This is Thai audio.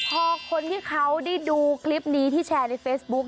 พอคนที่เขาได้ดูคลิปนี้ที่แชร์ในเฟซบุ๊ค